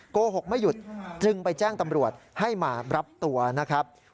โกหกไม่หยุดจึงไปแจ้งตำรวจให้มารับตัวนะครับ